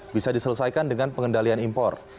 bisa diselesaikan dengan pengendalian impor